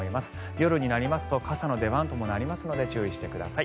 夜になりますと傘の出番になるので注意してください。